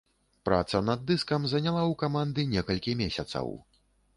Праца над дыскам заняла ў каманды некалькі месяцаў.